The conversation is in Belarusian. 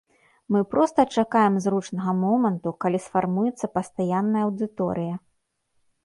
Мы проста чакаем зручнага моманту, калі сфармуецца пастаянная аўдыторыя.